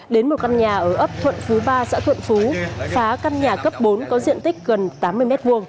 đến một căn nhà ở ấp thuận phú ba xã thuận phú phá căn nhà cấp bốn có diện tích gần tám mươi m hai